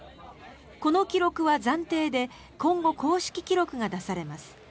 この記録は暫定で今後、公式記録が出されます。